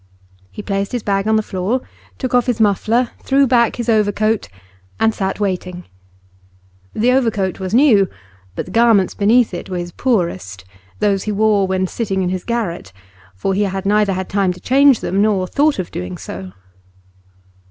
He placed his bag on the floor, took off his muffler, threw back his overcoat, and sat waiting. The overcoat was new, but the garments beneath it were his poorest, those he wore when sitting in his garret, for he had neither had time to change them, nor thought of doing so.